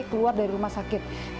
keluar dari rumah sakit